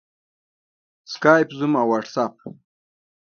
سکایپ، زوم او واټساپ